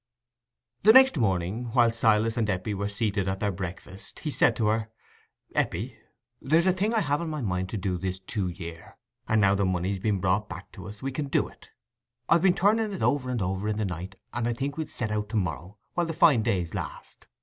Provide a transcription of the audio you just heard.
The next morning, when Silas and Eppie were seated at their breakfast, he said to her— "Eppie, there's a thing I've had on my mind to do this two year, and now the money's been brought back to us, we can do it. I've been turning it over and over in the night, and I think we'll set out to morrow, while the fine days last.